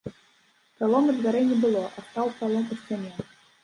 Пралому дзвярэй не было, а стаў пралом у сцяне.